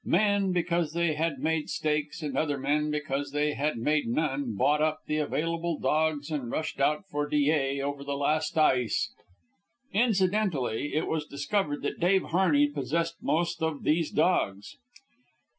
Men, because they had made stakes, and other men, because they had made none, bought up the available dogs and rushed out for Dyea over the last ice. Incidentally, it was discovered that Dave Harney possessed most of these dogs.